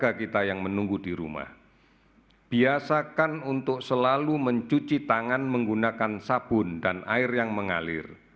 keluarga kita yang menunggu di rumah biasakan untuk selalu mencuci tangan menggunakan sabun dan air yang mengalir